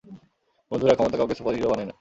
বন্ধুরা, ক্ষমতা কাউকে সুপারহিরো বানায় না।